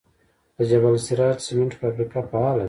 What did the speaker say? د جبل السراج سمنټو فابریکه فعاله ده؟